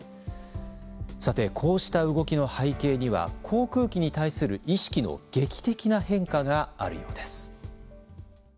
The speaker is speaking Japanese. さてこうした動きの背景には航空機に対する意識の劇的な変化があるようです。